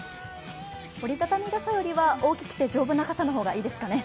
折り畳み傘よりは大きくて丈夫な傘の方がいいですかね？